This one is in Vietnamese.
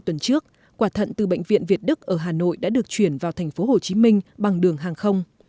hai tuần trước quả thận từ bệnh viện việt đức ở hà nội đã được chuyển vào thành phố hồ chí minh bằng đường hàng không